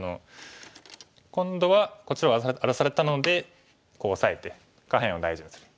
今度はこっちを荒らされたのでこうオサえて下辺を大事にする。